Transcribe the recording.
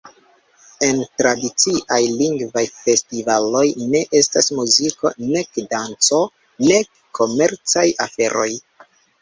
En tradiciaj Lingvaj Festivaloj ne estas muziko, nek danco, nek komercaj aferoj.